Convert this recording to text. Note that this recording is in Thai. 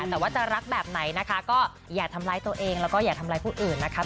แต่ว่าจะรักแบบไหนนะคะก็อย่าทำร้ายตัวเองแล้วก็อย่าทำร้ายผู้อื่นนะคะ